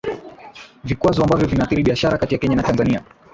Vikwazo ambavyo vinaathiri biashara kati ya Kenya na Tanzania